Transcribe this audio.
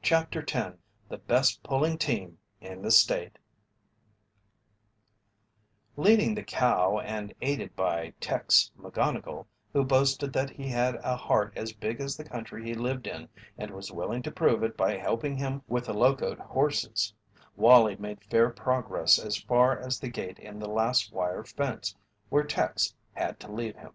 CHAPTER X THE BEST PULLING TEAM IN THE STATE Leading the cow, and aided by "Tex" McGonnigle, who boasted that he had a heart as big as the country he lived in and was willing to prove it by helping him with the locoed horses, Wallie made fair progress as far as the gate in the last wire fence, where "Tex" had to leave him.